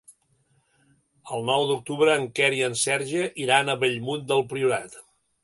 El nou d'octubre en Quer i en Sergi iran a Bellmunt del Priorat.